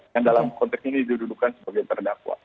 dan dalam konteks ini didudukan sebagai terdakwa